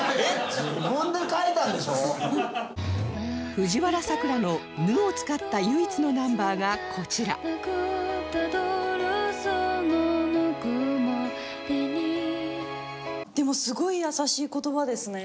藤原さくらの「ぬ」を使った唯一のナンバーがこちらでもすごい優しい言葉ですね。